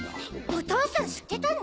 お父さん知ってたの？